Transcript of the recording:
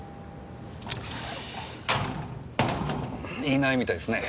いないみたいっすね。